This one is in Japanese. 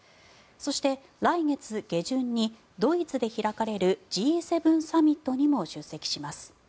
そして来月下旬にドイツで開かれるＧ７サミットにも出席します。